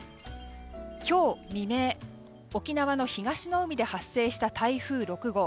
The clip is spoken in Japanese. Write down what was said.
今日未明、沖縄の東の海で発生した台風６号。